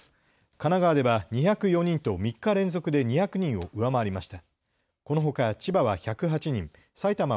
神奈川では２０４人と３日連続で２００人を上回りました。